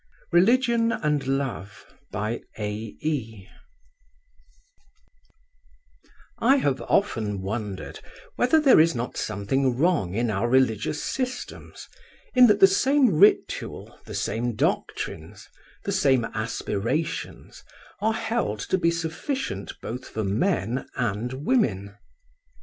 1896 RELIGION AND LOVE I have often wondered whether there is not something wrong in our religious systems in that the same ritual, the same doctrines, the same aspirations are held to be sufficient both for men and women.